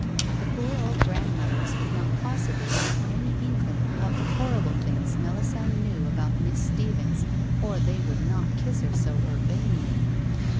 The poor old grandmothers could not possibly have any inkling of the horrible things Melisande knew about Miss Stephens or they would not kiss her so urbanely.